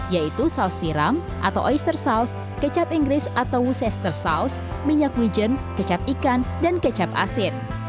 yaitu saus tiram atau oyster sauce kecap inggris atau worcester sauce minyak wijen kecap ikan dan kecap asin